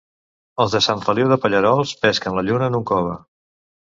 Els de Sant Feliu de Pallerols, pesquen la lluna en un cove.